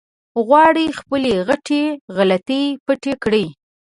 غواړي خپلې غټې غلطۍ پټې کړي.